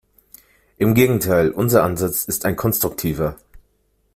Im Gegenteil, unser Ansatz ist ein konstruktiver.